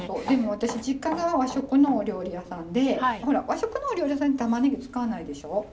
でも私実家が和食のお料理屋さんでほら和食のお料理屋さんって玉ねぎ使わないでしょ。